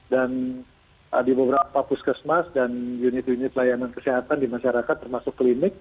dan di beberapa puskesmas dan unit unit layanan kesehatan di masyarakat termasuk klinik